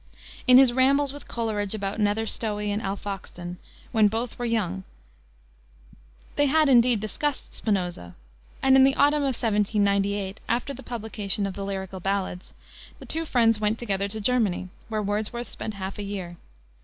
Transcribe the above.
In his rambles with Coleridge about Nether Stowey and Alfoxden, when both were young, they had, indeed, discussed Spinoza. And in the autumn of 1798, after the publication of the Lyrical Ballads, the two friends went together to Germany, where Wordsworth spent half a year.